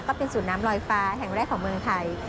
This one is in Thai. เป็นสูตรน้ำลอยฟ้าแห่งแรกของเมืองไทย